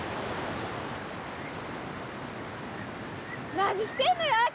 何してんのよ昭。